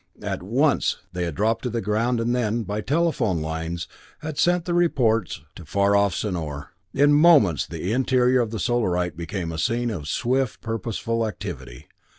At once they had dropped to the ground and then, by telephone lines, had sent their report to far off Sonor. In moments the interior of the Solarite became a scene of swift purposeful activity.